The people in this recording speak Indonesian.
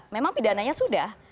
memang pidananya sudah